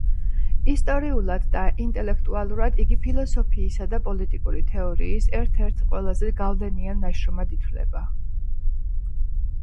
ისტორიულად და ინტელექტუალურად იგი ფილოსოფიისა და პოლიტიკური თეორის ერთ-ერთ ყველაზე გავლენიან ნაშრომად ითვლება.